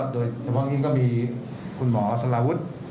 โดยเฉพาะนี้ก็มีคุณหมอสลาวุธ